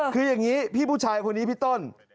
คืออย่างนี้พี่ผู้ชายคนนี้พี่ต้น